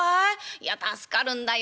いや助かるんだよ。